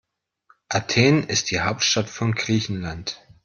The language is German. Athen ist die Hauptstadt von Griechenland.